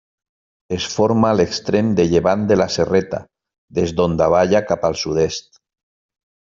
Es forma a l'extrem de llevant de la Serreta, des d'on davalla cap al sud-est.